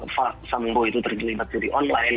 pak sambo itu terlibat judi online